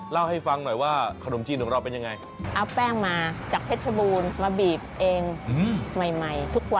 เล่าให้ฟังหน่อยว่าขนมจีนของเราเป็นยังไง